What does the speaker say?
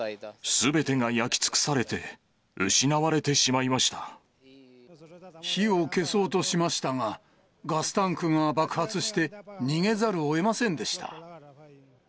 すべてが焼き尽くされて、火を消そうとしましたが、ガスタンクが爆発して、逃げざるをえませんでした。